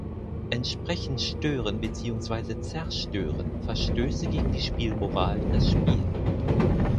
Entsprechend stören beziehungsweise zerstören Verstöße gegen die Spielmoral das Spiel.